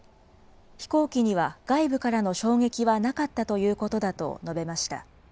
飛行機には外部からの衝撃はなかったということだと述べました。